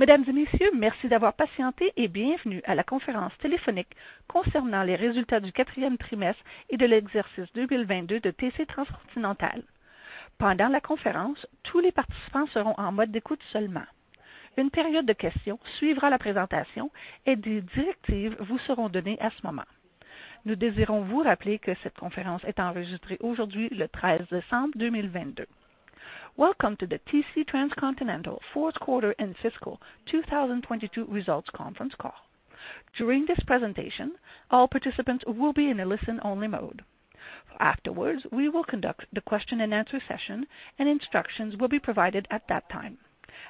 Mesdames et Messieurs, merci d'avoir patienté et bienvenue à la conférence téléphonique concernant les résultats du quatrième trimestre et de l'exercice 2022 de TC Transcontinental. Pendant la conférence, tous les participants seront en mode d'écoute seulement. Une période de questions suivra la présentation et des directives vous seront données à ce moment. Nous désirons vous rappeler que cette conférence est enregistrée aujourd'hui, le treize décembre 2022. Welcome to the TC Transcontinental Fourth Quarter and Fiscal 2022 Results Conference Call. During this presentation, all participants will be in a listen-only mode. Afterwards, we will conduct the question and answer session, and instructions will be provided at that time.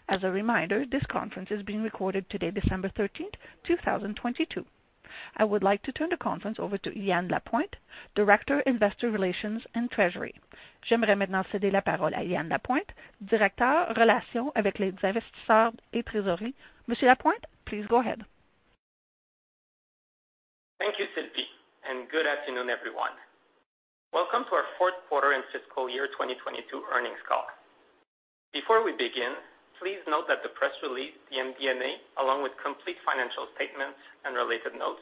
As a reminder, this conference is being recorded today, December 13th, 2022. I would like to turn the conference over to Yan Lapointe, Director, Investor Relations and Treasury. J'aimerais maintenant céder la parole à Yan Lapointe, Directeur, Relations avec les Investisseurs et Trésorerie. Monsieur Lapointe, please go ahead. Thank you, Sylvie. Good afternoon, everyone. Welcome to our fourth quarter and fiscal year 2022 earnings call. Before we begin, please note that the press release, the MD&A, along with complete financial statements and related notes,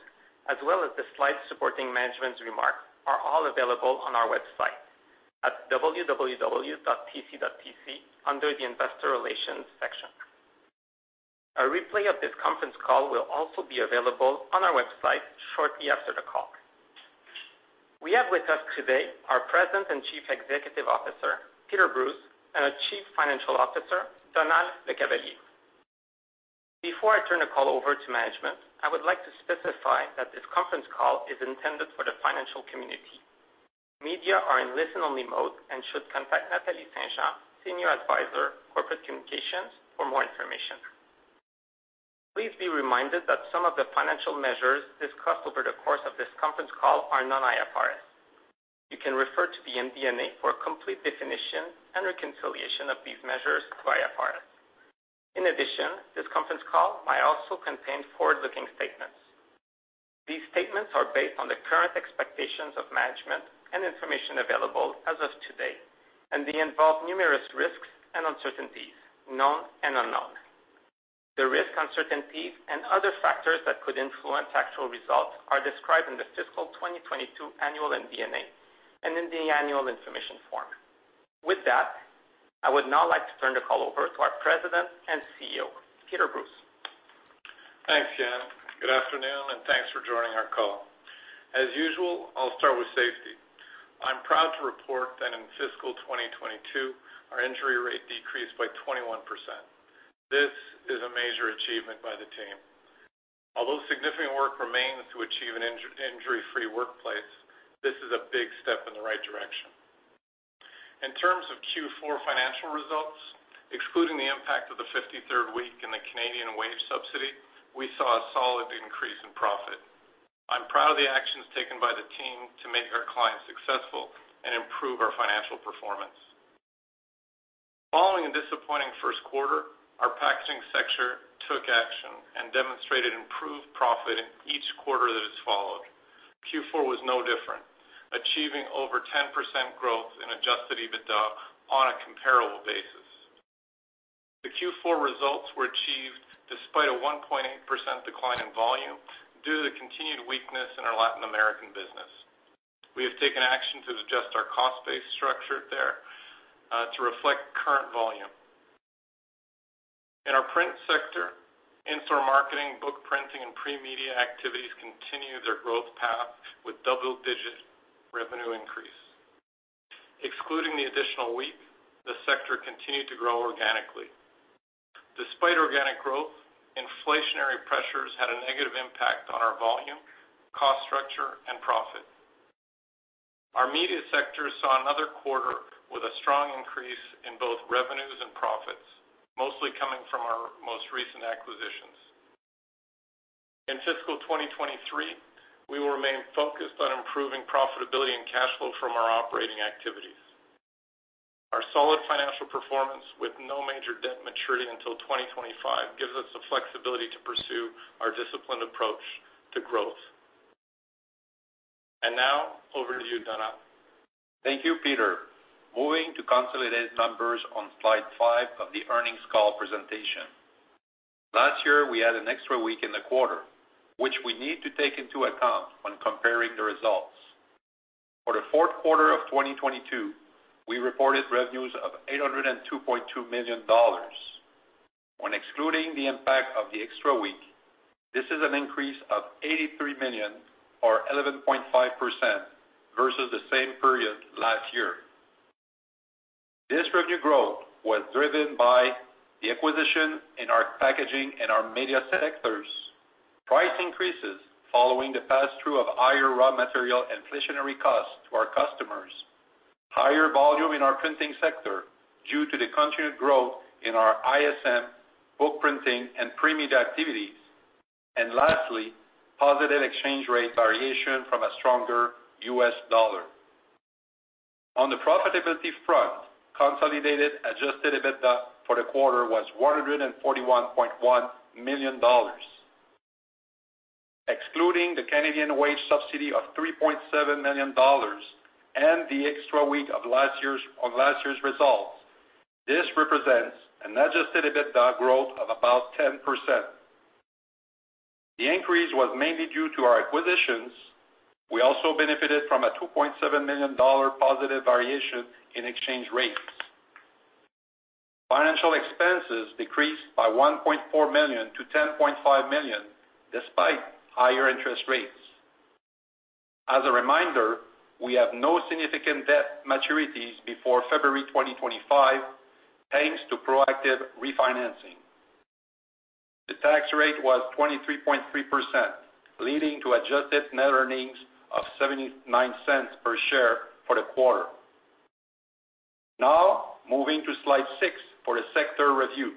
as well as the slides supporting management's remarks, are all available on our website at www.tc.tc under the Investor Relations section. A replay of this conference call will also be available on our website shortly after the call. We have with us today our President and Chief Executive Officer, Peter Brues, and our Chief Financial Officer, Donald LeCavalier. Before I turn the call over to management, I would like to specify that this conference call is intended for the financial community. Media are in listen-only mode and should contact Nathalie St-Jean, Senior Advisor, Corporate Communications, for more information. Please be reminded that some of the financial measures discussed over the course of this conference call are non-IFRS. You can refer to the MD&A for a complete definition and reconciliation of these measures to IFRS. In addition, this conference call might also contain forward-looking statements. These statements are based on the current expectations of management and information available as of today, and they involve numerous risks and uncertainties, known and unknown. The risks, uncertainties, and other factors that could influence actual results are described in the fiscal 2022 annual MD&A and in the annual information form. With that, I would now like to turn the call over to our President and CEO, Peter Brues. Thanks, Yan. Good afternoon, thanks for joining our call. As usual, I'll start with safety. I'm proud to report that in fiscal 2022, our injury rate decreased by 21%. This is a major achievement by the team. Although significant work remains to achieve an injury-free workplace, this is a big step in the right direction. In terms of Q4 financial results, excluding the impact of the 53rd week and the Canada Emergency Wage Subsidy, we saw a solid increase in profit. I'm proud of the actions taken by the team to make our clients successful and improve our financial performance. Following a disappointing first quarter, our packaging sector took action and demonstrated improved profit in each quarter that has followed. Q4 was no different, achieving over 10% growth in adjusted EBITDA on a comparable basis. The Q4 results were achieved despite a 1.8% decline in volume due to the continued weakness in our Latin American business. We have taken action to adjust our cost base structure there to reflect current volume. In our print sector, in-store marketing, book printing, and premedia activities continue their growth path with double-digit revenue increase. Excluding the additional week, the sector continued to grow organically. Despite organic growth, inflationary pressures had a negative impact on our volume, cost structure, and profit. Our media sector saw another quarter with a strong increase in both revenues and profits, mostly coming from our most recent acquisitions. In fiscal 2023, we will remain focused on improving profitability and cash flow from our operating activities. Our solid financial performance with no major debt maturity until 2025 gives us the flexibility to pursue our disciplined approach to growth. Now, over to you, Donald. Thank you, Peter. Moving to consolidated numbers on slide five of the earnings call presentation. Last year, we had an extra week in the quarter, which we need to take into account when comparing the results. For the fourth quarter of 2022, we reported revenues of 802.2 million dollars. When excluding the impact of the extra week, this is an increase of 83 million or 11.5% versus the same period last year. This revenue growth was driven by the acquisition in our packaging and our media sectors, price increases following the passthrough of higher raw material inflationary costs to our customers, higher volume in our printing sector due to the continued growth in our in-store marketing, book printing, and premedia activities, and lastly, positive exchange rate variation from a stronger USD. On the profitability front, consolidated adjusted EBITDA for the quarter was 141.1 million dollars. Including the Canadian Wage Subsidy of 3.7 million dollars and the extra week of last year's, on last year's results. This represents an adjusted EBITDA growth of about 10%. The increase was mainly due to our acquisitions. We also benefited from a 2.7 million dollar positive variation in exchange rates. Financial expenses decreased by 1.4 million-10.5 million despite higher interest rates. As a reminder, we have no significant debt maturities before February 2025, thanks to proactive refinancing. The tax rate was 23.3%, leading to adjusted net earnings of 0.79 per share for the quarter. Moving to slide 6 for the sector review.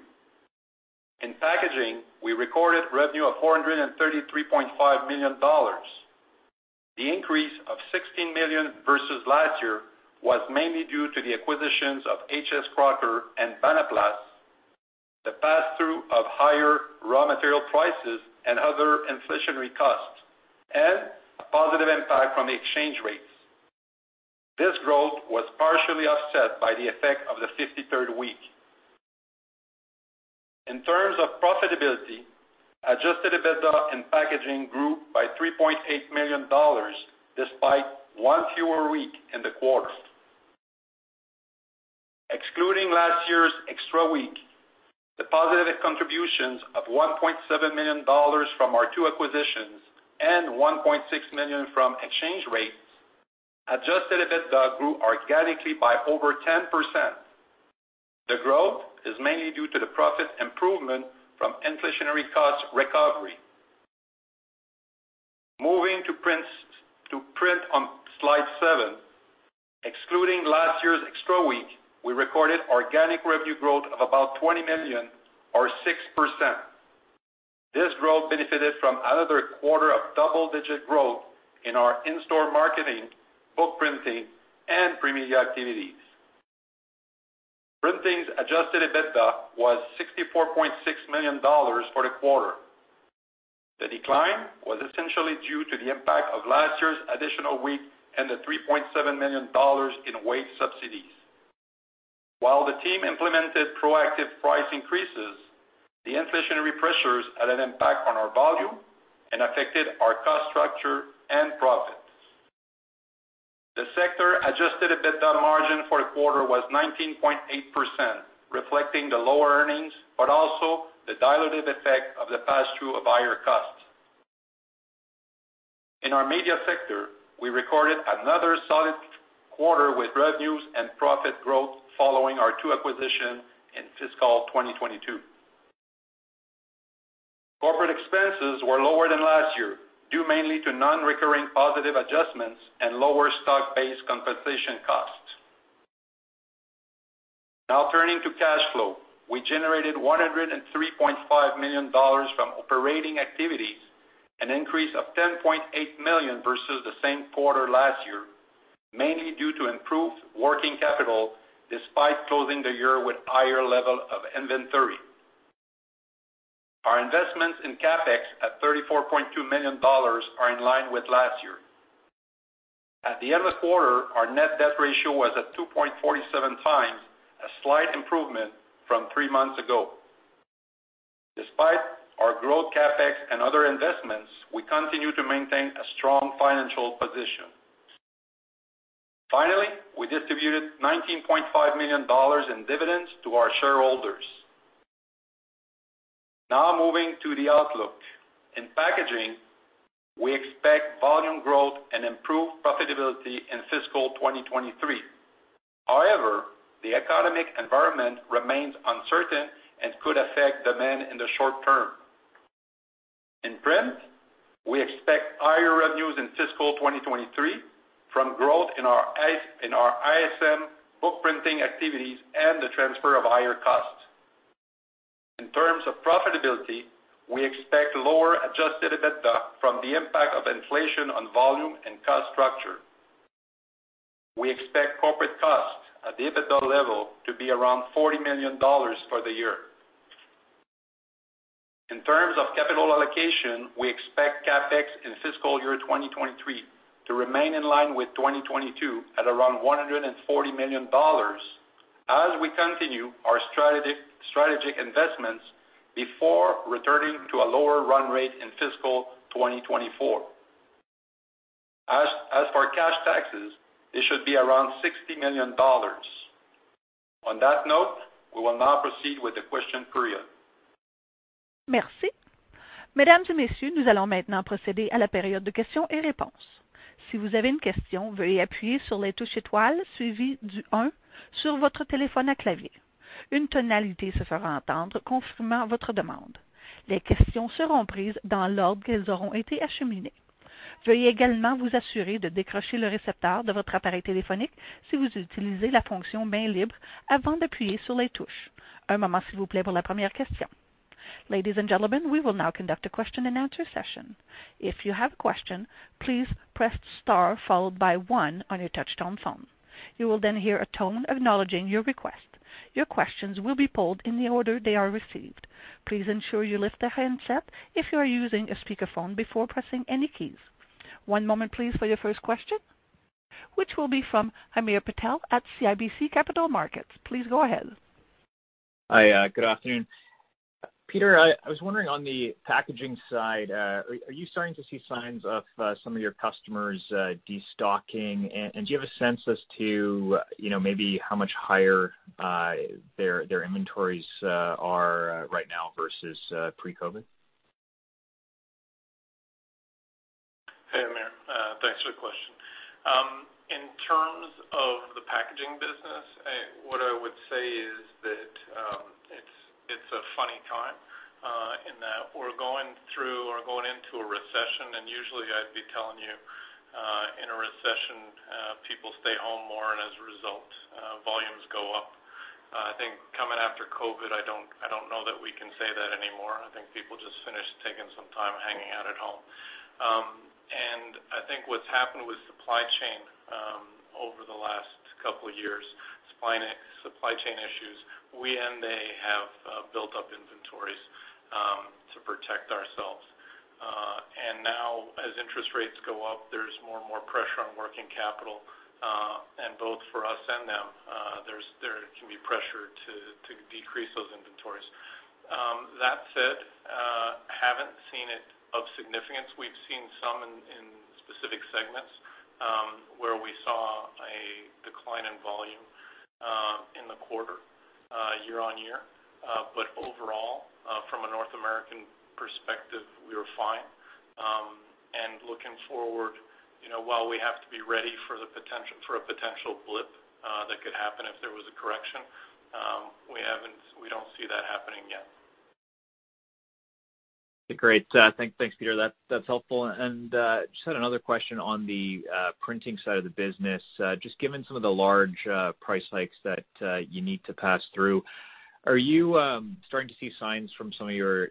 In packaging, we recorded revenue of 433.5 million dollars. The increase of 16 million versus last year was mainly due to the acquisitions of H.S. Crocker and Banaplast, the pass-through of higher raw material prices and other inflationary costs, and a positive impact from the exchange rates. This growth was partially offset by the effect of the 53rd week. In terms of profitability, adjusted EBITDA in packaging grew by 3.8 million dollars despite one fewer week in the quarter. Excluding last year's extra week, the positive contributions of 1.7 million dollars from our two acquisitions and 1.6 million from exchange rates, adjusted EBITDA grew organically by over 10%. The growth is mainly due to the profit improvement from inflationary costs recovery. Moving to print on slide seven. Excluding last year's extra week, we recorded organic revenue growth of about 20 million or 6%. This growth benefited from another quarter of double-digit growth in our in-store marketing, book printing, and premedia activities. Printing's adjusted EBITDA was 64.6 million dollars for the quarter. The decline was essentially due to the impact of last year's additional week and the 3.7 million dollars in wage subsidies. While the team implemented proactive price increases, the inflationary pressures had an impact on our volume and affected our cost structure and profits. The sector adjusted EBITDA margin for the quarter was 19.8%, reflecting the lower earnings, also the dilutive effect of the pass-through of higher costs. In our Media sector, we recorded another solid quarter with revenues and profit growth following our two acquisitions in fiscal 2022. Corporate expenses were lower than last year, due mainly to non-recurring positive adjustments and lower stock-based compensation costs. Turning to cash flow. We generated $103.5 million from operating activities, an increase of $10.8 million versus the same quarter last year, mainly due to improved working capital despite closing the year with higher level of inventory. Our investments in CapEx at $34.2 million are in line with last year. At the end of quarter, our net debt ratio was at 2.47x, a slight improvement from three months ago. Despite our growth CapEx and other investments, we continue to maintain a strong financial position. We distributed $19.5 million in dividends to our shareholders. Moving to the outlook. In Packaging, we expect volume growth and improved profitability in fiscal 2023. The economic environment remains uncertain and could affect demand in the short term. In Print, we expect higher revenues in fiscal 2023 from growth in our ISM book printing activities and the transfer of higher costs. In terms of profitability, we expect lower adjusted EBITDA from the impact of inflation on volume and cost structure. We expect corporate costs at the EBITDA level to be around 40 million dollars for the year. In terms of capital allocation, we expect CapEx in fiscal year 2023 to remain in line with 2022 at around 140 million dollars as we continue our strategic investments before returning to a lower run rate in fiscal 2024. As for cash taxes, it should be around CAD 60 million. On that note, we will now proceed with the question period. Merci. Mesdames et messieurs, nous allons maintenant procéder à la période de questions et réponses. Si vous avez une question, veuillez appuyer sur les touches étoiles suivie du un sur votre téléphone à clavier. Une tonalité se fera entendre confirmant votre demande. Les questions seront prises dans l'ordre qu'elles auront été acheminées. Veuillez également vous assurer de décrocher le récepteur de votre appareil téléphonique si vous utilisez la fonction main libre avant d'appuyer sur les touches. Un moment, s'il vous plaît, pour la première question. Ladies and gentlemen, we will now conduct a question-and-answer session. If you have a question, please press star followed by one on your touch-tone phone. You will then hear a tone acknowledging your request. Your questions will be polled in the order they are received. Please ensure you lift the handset if you are using a speakerphone before pressing any keys. One moment please for your first question, which will be from Hamir Patel at CIBC Capital Markets. Please go ahead. Hi, good afternoon. Peter, I was wondering on the packaging side, are you starting to see signs of some of your customers destocking? Do you have a sense as to, you know, maybe how much higher their inventories are right now versus pre-COVID? Hey, Hamir, thanks for the question. In terms of the packaging business, what I would say is that it's a funny time in that we're going through or going into a recession. Usually I'd be telling you in a recession, people stay home more, as a result, volumes go up. I think coming after COVID, I don't know that we can say that anymore. I think people just finished taking some time hanging out at home. I think what's happened with supply chain over the last couple of years, supply chain issues, we and they have built up inventories to protect ourselves. As interest rates go up, there's more and more pressure on working capital, and both for us and them, there can be pressure to decrease those inventories. That said, haven't seen it of significance. We've seen some in specific segments, where we saw a decline in volume in the quarter year-on-year. But overall, from a North American perspective, we were fine. And looking forward, you know, while we have to be ready for a potential blip that could happen if there was a correction, we haven't... We don't see that happening yet. Great. thanks, Peter. That's helpful. Just had another question on the printing side of the business. Just given some of the large price hikes that you need to pass through, are you starting to see signs from some of your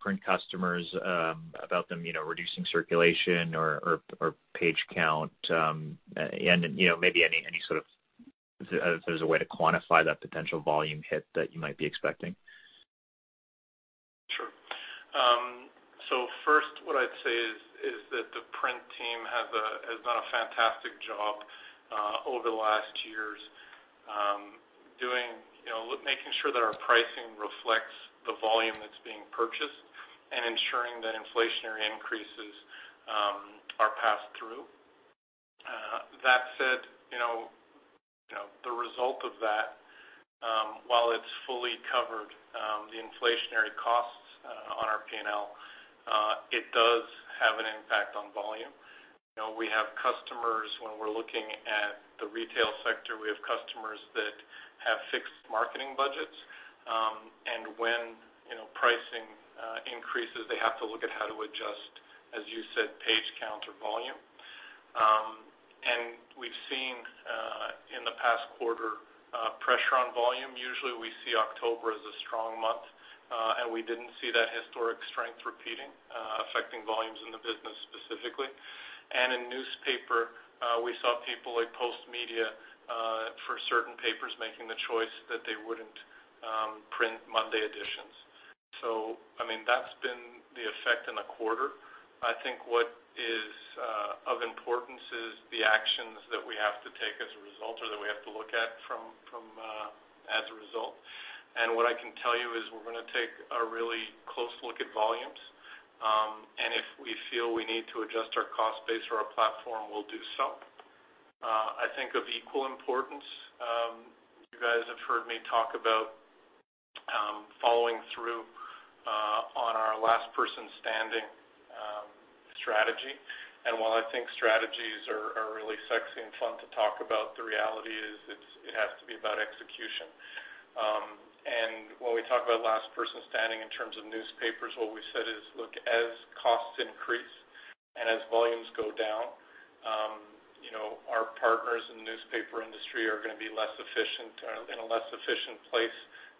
print customers, about them, you know, reducing circulation or page count, and, you know, maybe if there's a way to quantify that potential volume hit that you might be expecting? Sure. First what I'd say is that the print team has done a fantastic job over the last years. You know, making sure that our pricing reflects the volume that's being purchased and ensuring that inflationary increases are passed through. That said, you know, the result of that, while it's fully covered, the inflationary costs on our P&L, it does have an impact on volume. You know, we have customers when we're looking at the retail sector, we have customers that have fixed marketing budgets, and when, you know, pricing increases, they have to look at how to adjust, as you said, page count or volume. We've seen in the past quarter, pressure on volume. Usually we see October as a strong month, we didn't see that historic strength repeating, affecting volumes in the business specifically. In newspaper, we saw people like Postmedia, for certain papers making the choice that they wouldn't print Monday editions. I mean, that's been the effect in a quarter. I think what is of importance is the actions that we have to take as a result or that we have to look at from as a result. What I can tell you is we're gonna take a really close look at volumes, and if we feel we need to adjust our cost base or our platform, we'll do so. I think of equal importance, you guys have heard me talk about following through on our last person standing strategy. While I think strategies are really sexy and fun to talk about, the reality is it has to be about execution. When we talk about last person standing in terms of newspapers, what we said is, look, as costs increase and as volumes go down, you know, our partners in the newspaper industry are gonna be less efficient, in a less efficient place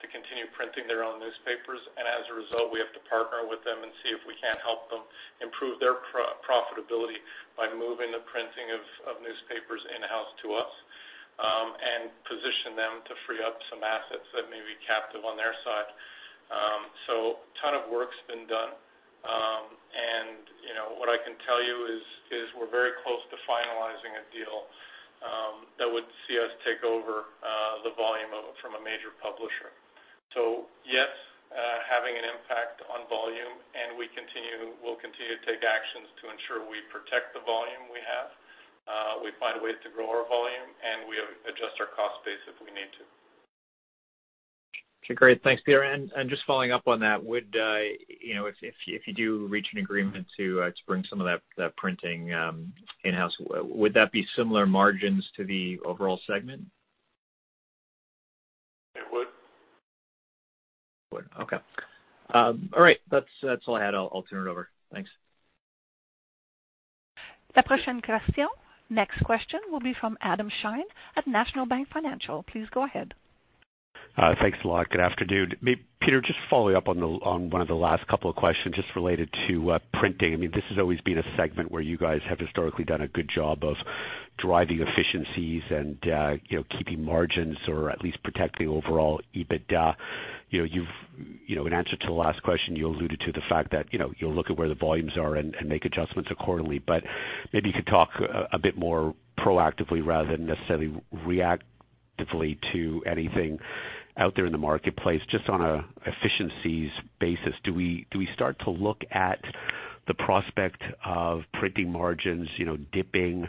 to continue printing their own newspapers. As a result, we have to partner with them and see if we can't help them improve their pro-profitability by moving the printing of newspapers in-house to us, and position them to free up some assets that may be captive on their side. Ton of work's been done. you know, what I can tell you is, we're very close to finalizing a deal that would see us take over the volume of... from a major publisher. Yes, having an impact on volume. We'll continue to take actions to ensure we protect the volume we have, we find ways to grow our volume, and we adjust our cost base if we need to. Okay, great. Thanks, Peter. Just following up on that, would, you know, if you do reach an agreement to bring some of that printing, in-house, would that be similar margins to the overall segment? It would. It would. Okay. All right. That's all I had. I'll turn it over. Thanks. Next question will be from Adam Shine at National Bank Financial. Please go ahead. Thanks a lot. Good afternoon. Peter, just following up on one of the last couple of questions just related to printing. I mean, this has always been a segment where you guys have historically done a good job of driving efficiencies and, you know, keeping margins or at least protecting overall EBITDA. You know, you've, you know, in answer to the last question, you alluded to the fact that, you know, you'll look at where the volumes are and make adjustments accordingly. Maybe you could talk a bit more proactively rather than necessarily reactively to anything out there in the marketplace, just on an efficiencies basis. Do we start to look at the prospect of printing margins, you know, dipping, you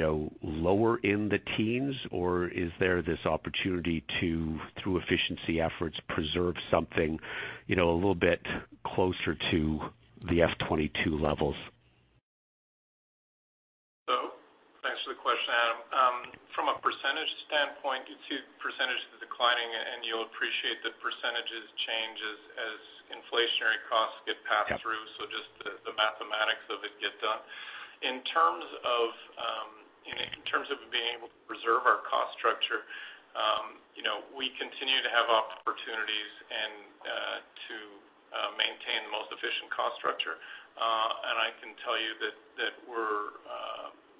know, lower in the teens? Is there this opportunity to, through efficiency efforts, preserve something, you know, a little bit closer to the F-22 levels? Thanks for the question, Adam. From a percentage standpoint, you see percentages declining, and you'll appreciate that percentages change as inflationary costs get passed through. Yeah. Just the mathematics of it get done. In terms of, in terms of being able to preserve our cost structure, you know, we continue to have opportunities and to maintain the most efficient cost structure. I can tell you that we're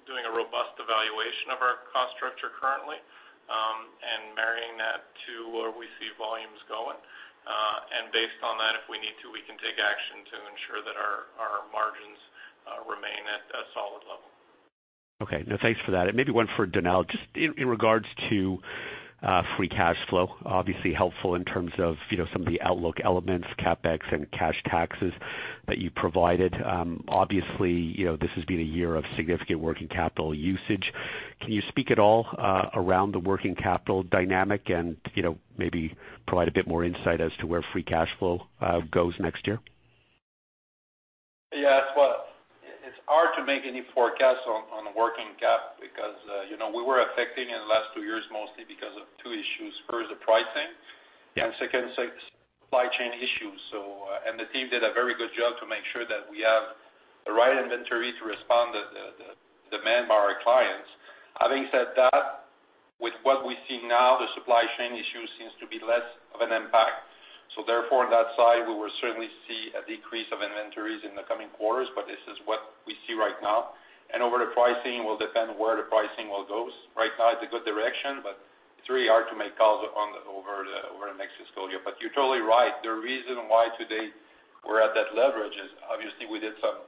doing a robust evaluation of our cost structure currently and marrying that to where we see volumes going. Based on that, if we need to, we can take action to ensure that our margins remain at a solid level. Okay. No, thanks for that. Maybe one for Donel, just in regards to free cashflow. Obviously helpful in terms of, you know, some of the outlook elements, CapEx, and cash taxes that you provided. Obviously, you know, this has been a year of significant working capital usage. Can you speak at all around the working capital dynamic and, you know, maybe provide a bit more insight as to where free cashflow goes next year? Yeah. Well, it's hard to make any forecasts on working cap because, you know, we were affecting in the last two years mostly because of two issues. First, the pricing. Yeah. Second, supply chain issues. The team did a very good job to make sure that we have the right inventory to respond the demand by our clients. Having said that, with what we see now, the supply chain issue seems to be less of an impact. Therefore, on that side, we will certainly see a decrease of inventories in the coming quarters, but this is what we see right now. Over the pricing, will depend where the pricing will goes. Right now it's a good direction, but it's very hard to make calls over the next fiscal year. You're totally right. The reason why today we're at that leverage is obviously we did some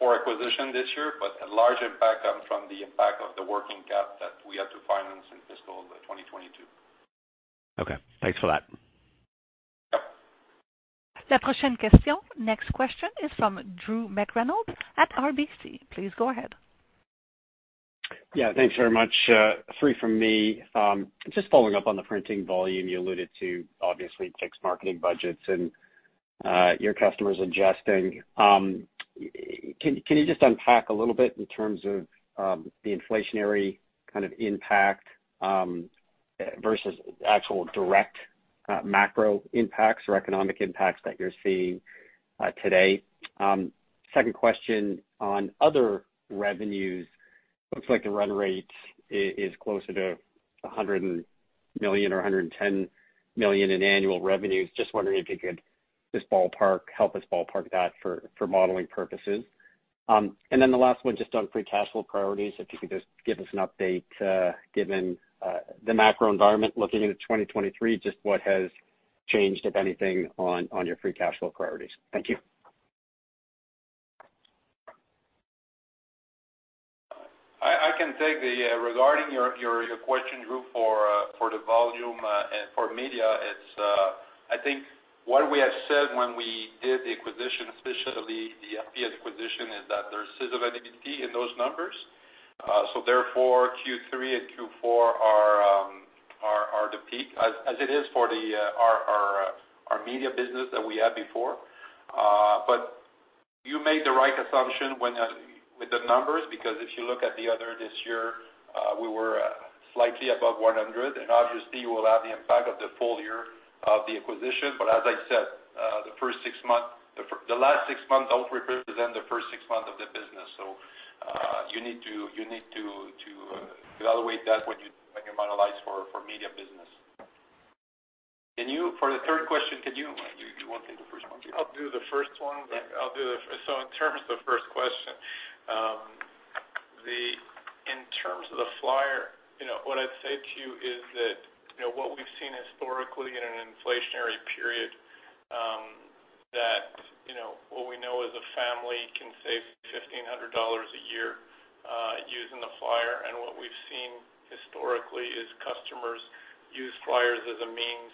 four acquisition this year, but a large impact come from the impact of the working cap that we had to finance in fiscal 2022. Okay, thanks for that. Yep. Next question is from Drew McReynolds at RBC Capital Markets. Please go ahead. Yeah, thanks very much. 3 from me. Just following up on the printing volume, you alluded to obviously fixed marketing budgets, and your customers adjusting. Can you just unpack a little bit in terms of the inflationary kind of impact versus actual direct macro impacts or economic impacts that you're seeing today? Second question on other revenues, looks like the run rate is closer to 100 million or 110 million in annual revenues. Just wondering if you could just ballpark, help us ballpark that for modeling purposes. The last one just on free cash flow priorities, if you could just give us an update, given the macro environment looking into 2023, just what has changed, if anything, on your free cash flow priorities. Thank you. I can take the regarding your question, Drew, for for the volume and for media. It's I think what we have said when we did the acquisition, especially the FP acquisition, is that there's seasonality in those numbers. Therefore, Q3 and Q4 are the peak as it is for our media business that we had before. You made the right assumption when with the numbers, because if you look at the other this year, we were slightly above 100, and obviously you will have the impact of the full year of the acquisition. As I said, the first six months. The last six months don't represent the first six months of the business. You need to evaluate that when you modelize for media business. Can you, for the third question, can you wanna take the first one? I'll do the first one. Yeah. I'll do the. In terms of first question, the, in terms of the flyer, you know, what I'd say to you is that, you know, what we've seen historically in an inflationary period, that, you know, what we know is a family can save 1,500 dollars a year, using the flyer. What we've seen historically is customers use flyers as a means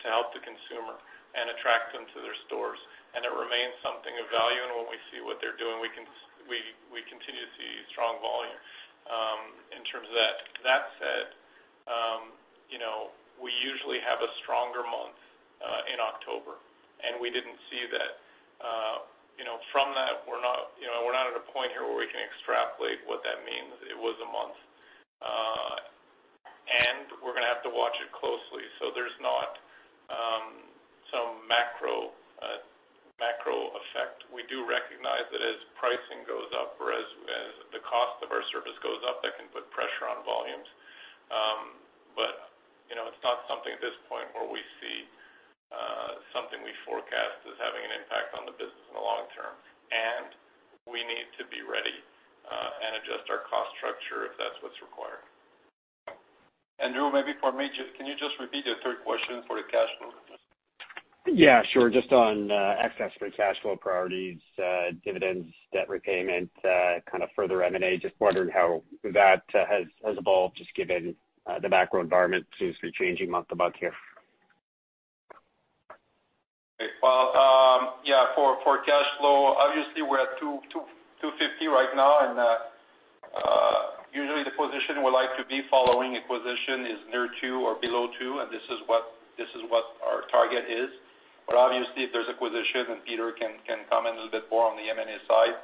to help the consumer and attract them to their stores. It remains something of value. When we see what they're doing, we continue to see strong volume in terms of that. That said, you know, we usually have a stronger month in October, and we didn't see that. You know, from that, we're not, you know, we're not at a point here where we can extrapolate what that means. It was a month. We're gonna have to watch it closely so there's not some macro macro effect. We do recognize that as pricing goes up or as the cost of our service goes up, that can put pressure on volumes. You know, it's not something at this point. It's something we forecast is having an impact on the business in the long term, and we need to be ready, and adjust our cost structure if that's what's required. Drew, maybe for me, just can you just repeat the third question for the cash flow? Sure. Just on access for cash flow priorities, dividends, debt repayment, kind of further M&A. Just wondering how that has evolved just given the macro environment seems to be changing month to month here. Well, yeah, for cash flow, obviously we're at 2.50 right now. Usually the position would like to be following acquisition is near two or below two, and this is what our target is. Obviously, if there's acquisition, and Peter can comment a little bit more on the M&A side,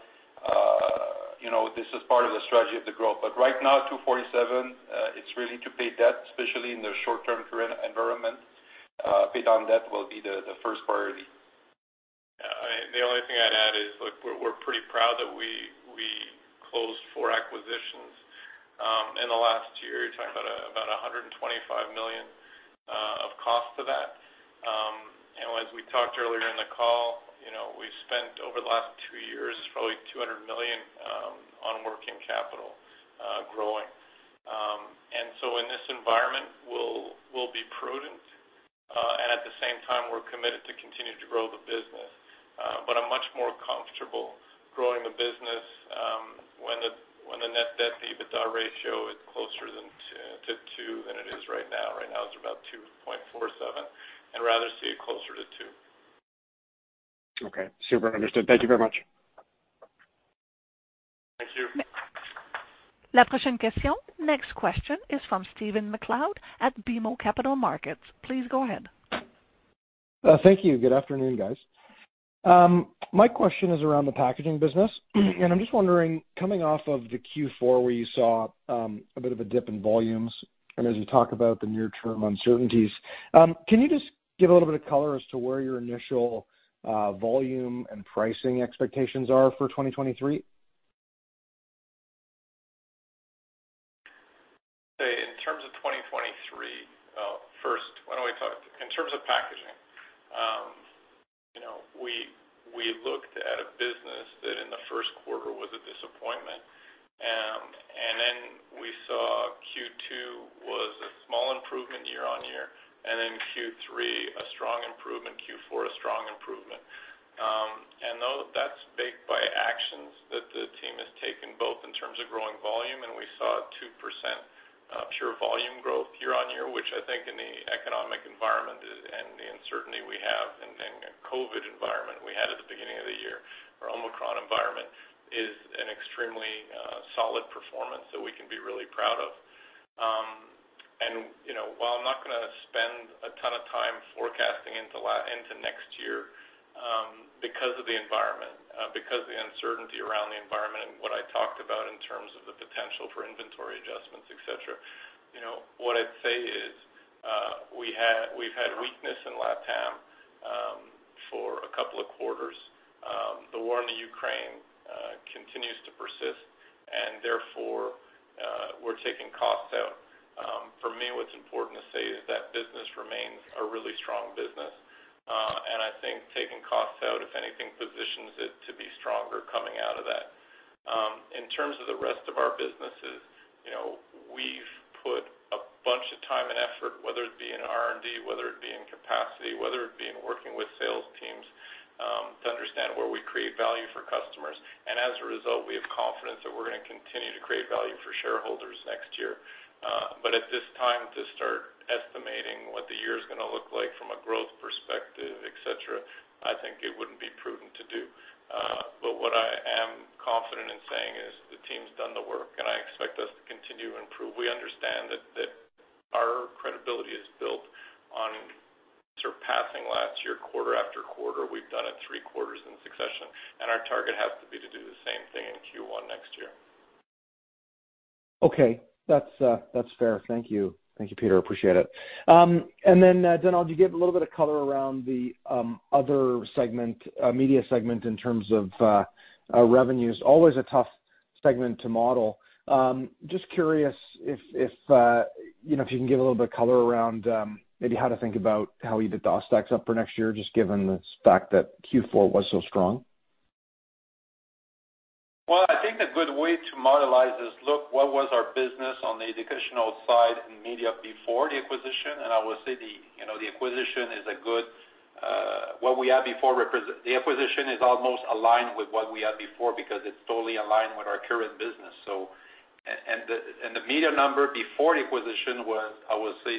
you know, this is part of the strategy of the growth. Right now, 2.47, it's really to pay debt, especially in the short term current environment, pay down debt will be the first priority. The only thing I'd add is, look, we're pretty proud that we closed four acquisitions in the last year. You're talking about 125 million of cost to that. As we talked earlier in the call, you know, we spent over the last two years, probably 200 million on working capital, growing. In this environment, we'll be prudent, and at the same time, we're committed to continue to grow the business. I'm much more comfortable growing the business when the net debt-to-EBITDA ratio is closer to two than it is right now. Right now, it's about 2.47. I'd rather see it closer to two. Okay. Super understood. Thank you very much. Thank you. Next question is from Stephen MacLeod at BMO Capital Markets. Please go ahead. Thank you. Good afternoon, guys. My question is around the packaging business. I'm just wondering, coming off of the Q4 where you saw a bit of a dip in volumes, and as you talk about the near-term uncertainties, can you just give a little bit of color as to where your initial volume and pricing expectations are for 2023? In terms of 2023, in terms of packaging, you know, we looked at a business that in the first quarter was a disappointment. Then we saw Q2 was a small improvement year-on-year, and then Q3 a strong improvement, Q4 a strong improvement. That's baked by actions that the team has taken both in terms of growing volume, and we saw 2% pure volume growth year-on-year, which I think in the economic environment is, and the uncertainty we have, and then COVID environment we had at the beginning of the year, or Omicron environment, is an extremely solid performance that we can be really proud of. You know, while I'm not gonna spend a ton of time forecasting into next year, because of the environment, because the uncertainty around the environment and what I talked about in terms of the potential for inventory adjustments, et cetera, you know, what I'd say is, we've had weakness in LatAm for a couple of quarters. The war in Ukraine continues to persist and therefore, we're taking costs out. For me, what's important to say is that business remains a really strong business. I think taking costs out, if anything, positions it to be stronger coming out of that. In terms of the rest of our businesses, you know, we've put a bunch of time and effort, whether it be in R&D, whether it be in capacity, whether it be in working with sales teams, to understand where we create value for customers. As a result, we have confidence that we're gonna continue to create value for shareholders next year. At this time to start estimating what the year's gonna look like from a growth perspective, et cetera, I think it wouldn't be prudent to do. What I am confident in saying is the team's done the work, and I expect us to continue to improve. We understand that our credibility is built on surpassing last year quarter after quarter. We've done it three quarters in succession, and our target has to be to do the same thing in Q1 next year. Okay. That's, that's fair. Thank you. Thank you, Peter. Appreciate it. Donald, do you give a little bit of color around the other segment, media segment in terms of revenues? Always a tough segment to model. Just curious if, you know, if you can give a little bit of color around maybe how to think about how EBITDA stacks up for next year, just given the fact that Q4 was so strong? Well, I think a good way to modelize is look what was our business on the educational side in media before the acquisition. I will say, you know, the acquisition is a good what we had before. The acquisition is almost aligned with what we had before because it's totally aligned with our current business. The media number before the acquisition was, I would say,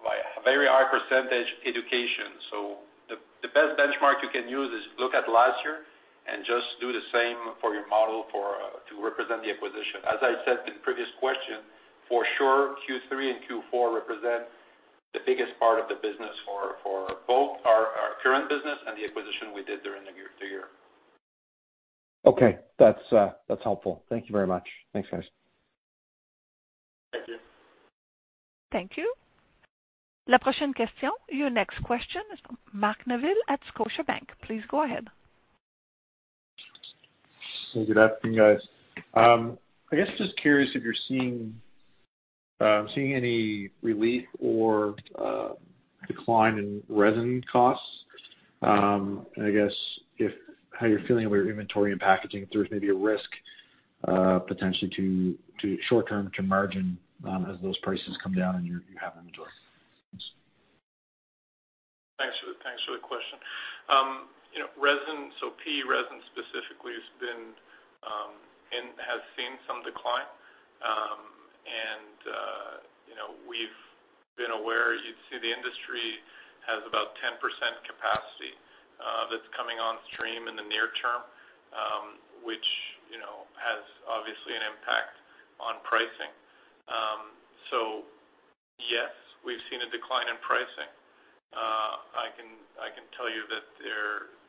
like a very high percentage education. The best benchmark you can use is look at last year and just do the same for your model to represent the acquisition. As I said in previous question, for sure, Q3 and Q4 represent the biggest part of the business for both our current business and the acquisition we did during the year to year. Okay. That's, that's helpful. Thank you very much. Thanks, guys. Thank you. Thank you. Your next question is from Mark Neville at Scotiabank. Please go ahead. Good afternoon, guys. I guess just curious if you're seeing any relief or decline in resin costs. I guess if, how you're feeling with your inventory and packaging, if there's maybe a risk potentially to short term to margin, as those prices come down and you have inventory. Thanks. Thanks for the question. You know, resin, so PE resin specifically has been and has seen some decline. You know, we've been aware. You'd see the industry has about 10% capacity that's coming on stream in the near term, which, you know, has obviously an impact on pricing. Yes, we've seen a decline in pricing. I can tell you that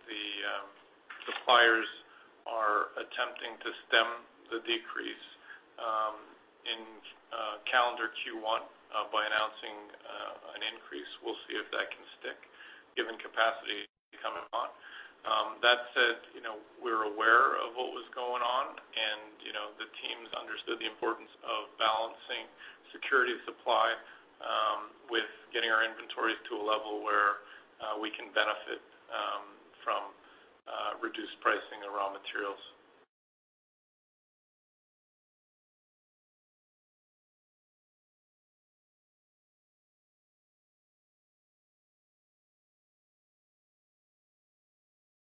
the suppliers are attempting to stem the decrease in calendar Q1 by announcing an increase. We'll see if that can stick given capacity coming on. That said, you know, we're aware of what was going on and, you know, the teams understood the importance of balancing security of supply, with getting our inventories to a level where, we can benefit, from, reduced pricing of raw materials.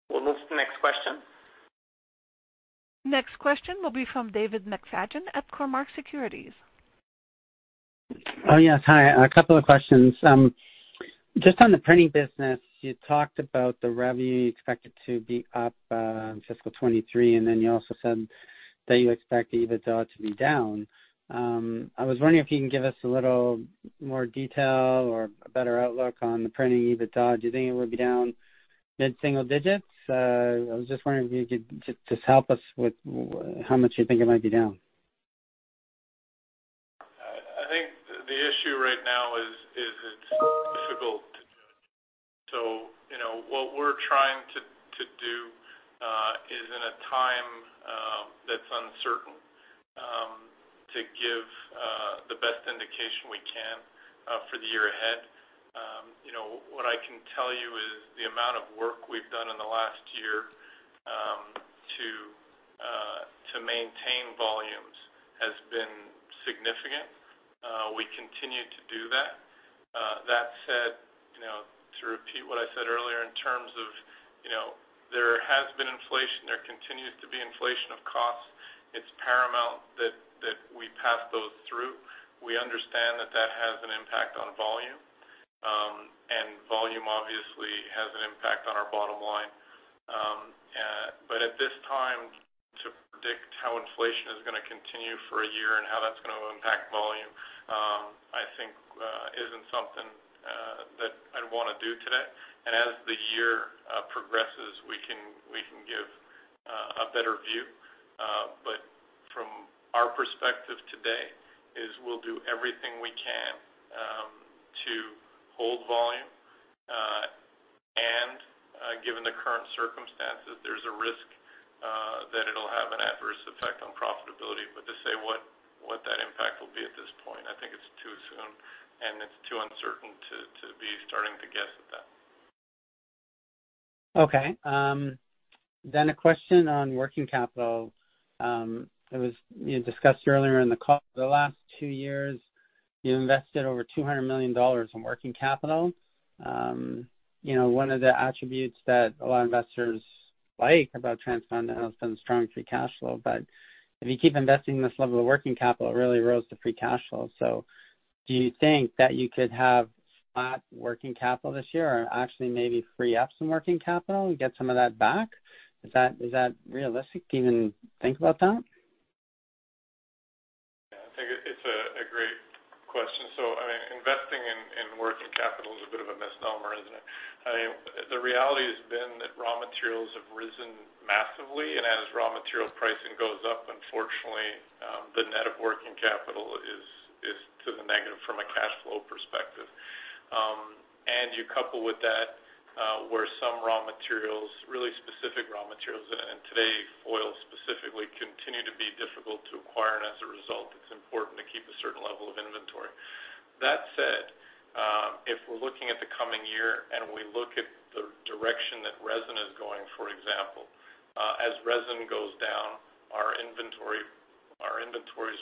We'll move to the next question. Next question will be from David McFadgen at Cormark Securities. Oh, yes. Hi. A couple of questions. Just on the printing business, you talked about the revenue you expected to be up in fiscal 2023, you also said that you expect EBITDA to be down. I was wondering if you can give us a little more detail or a better outlook on the printing EBITDA. Do you think it would be down mid-single digits? I was just wondering if you could just help us with how much you think it might be down. I think the issue right now is it's difficult to judge. You know, what we're trying to do is in a time that's uncertain to give the best indication we can for the year ahead. You know, what I can tell you is the amount of work we've done in the last year to maintain volumes has been significant. We continue to do that. That said, you know, to repeat what I said earlier in terms of, you know, there has been inflation, there continues to be inflation of costs. It's paramount that we pass those through. We understand that that has an impact on volume, and volume obviously has an impact on our bottom line. At this time to predict how inflation is gonna continue for a year and how that's gonna impact volume, I think isn't something that I'd wanna do today. As the year progresses, we can give a better view. From our perspective today is we'll do everything we can to hold volume. Given the current circumstances, there's a risk that it'll have an adverse effect on profitability. To say what that impact will be at this point, I think it's too soon, and it's too uncertain to be starting to guess at that. Okay. A question on working capital. You discussed earlier in the call, the last two years, you invested over 200 million dollars in working capital. You know, one of the attributes that a lot of investors like about TransDigm has been strong free cash flow. If you keep investing this level of working capital, it really erodes the free cash flow. Do you think that you could have flat working capital this year or actually maybe free up some working capital and get some of that back? Is that realistic to even think about that? I think it's a great question. I mean, investing in working capital is a bit of a misnomer, isn't it? I mean, the reality has been that raw materials have risen massively, and as raw material pricing goes up, unfortunately, the net of working capital is to the negative from a cash flow perspective. You couple with that, where some raw materials, really specific raw materials, and today foil specifically, continue to be difficult to acquire, and as a result, it's important to keep a certain level of inventory. That said, if we're looking at the coming year and we look at the direction that resin is going, for example, as resin goes down, our inventories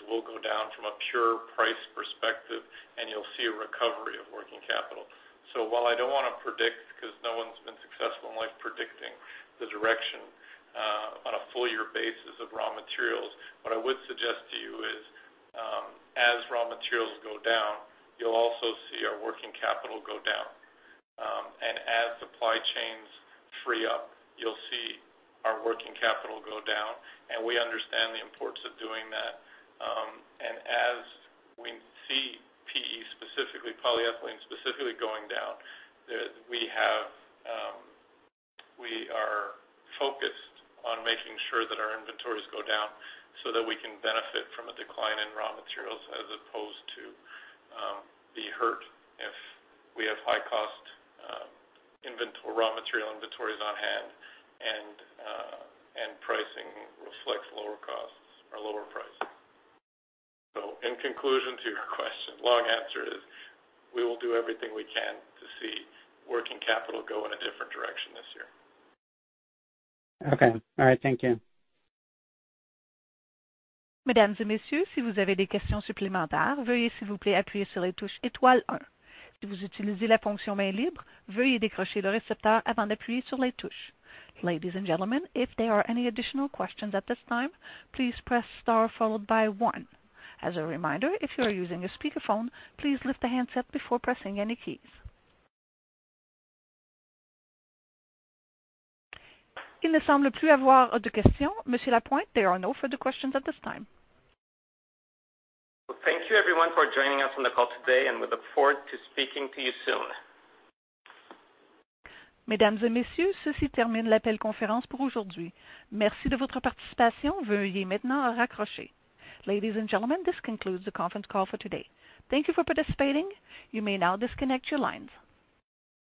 will go down from a pure price perspective, and you'll see a recovery of working capital. While I don't wanna predict, 'cause no one's been successful in life predicting the direction, on a full year basis of raw materials, what I would suggest to you is, as raw materials go down, you'll also see our working capital go down. As supply chains free up, you'll see our working capital go down, and we understand the importance of doing that. As we see PE specifically, polyethylene specifically going down, we have, we are focused on making sure that our inventories go down so that we can benefit from a decline in raw materials as opposed to, be hurt if we have high cost, raw material inventories on hand and pricing reflects lower costs or lower pricing. In conclusion to your question, long answer is, we will do everything we can to see working capital go in a different direction this year. Okay. All right. Thank you. Ladies and gentlemen, if there are any additional questions at this time, please press star followed by one. As a reminder, if you are using a speakerphone, please lift the handset before pressing any keys. There are no further questions at this time. Thank you everyone for joining us on the call today, and we look forward to speaking to you soon. Ladies and gentlemen, this concludes the conference call for today. Thank you for participating. You may now disconnect your lines.